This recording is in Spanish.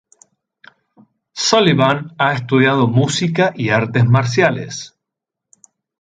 Sullivan ha estudiado música y artes marciales.